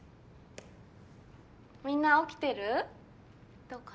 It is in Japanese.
みんな起きてる？どうかな？